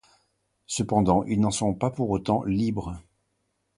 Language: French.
Cependant ils n'en sont pas pour autant libres.